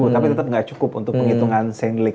tapi tetep gak cukup untuk penghitungan saint lake